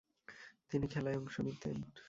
তিনি খেলায় অংশ নিতেন।